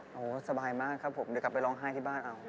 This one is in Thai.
โอ้โหสบายมากครับผมเดี๋ยวกลับไปร้องไห้ที่บ้านเอา